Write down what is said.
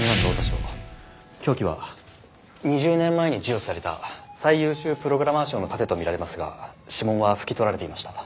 凶器は２０年前に授与された最優秀プログラマー賞の盾と見られますが指紋は拭き取られていました。